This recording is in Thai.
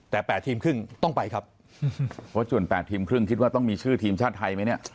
แต่๘ทีมครึ่งต้องไปครับเพราะส่วน๘ทีมครึ่งคิดว่าต้องมีชื่อทีมชาติไทยไหมเนี่ย